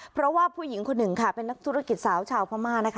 เพราะว่าผู้หญิงคนหนึ่งค่ะเป็นนักธุรกิจสาวชาวพม่านะคะ